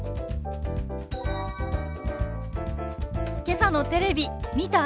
けさのテレビ見た？